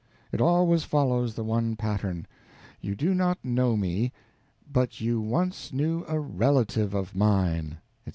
It always follows the one pattern: "You do not know me, but you once knew a relative of mine," etc.